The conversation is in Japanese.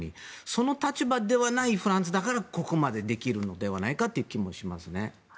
その立場ではないフランスだからこそここまでできるのではないかという気もしますね。